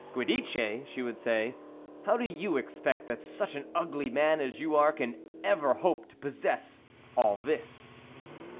"'Giudice,' she would say, 'how do you expect that such an ugly man as you are can ever hope to possess all this?'